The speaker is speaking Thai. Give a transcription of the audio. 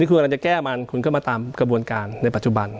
คุณกำลังจะแก้มันคุณก็มาตามกระบวนการในปัจจุบัน